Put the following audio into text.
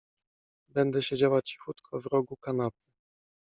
Będę siedziała cichutko w rogu kanapy.